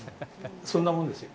そんなもんです。